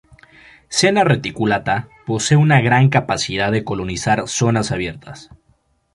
Senna reticulata posee una "gran capacidad para colonizar zonas abiertas".